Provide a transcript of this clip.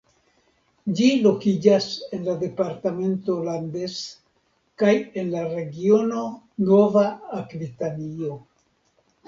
Ĝi lokiĝas en la departemento Landes kaj en la regiono Nova Akvitanio.